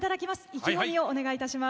意気込みをお願いいたします。